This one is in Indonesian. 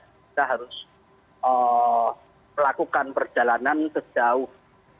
kita harus melakukan perjalanan sejauh